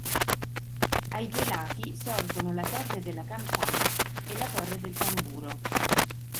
Ai due lati sorgono la "torre della campana" e la "torre del tamburo".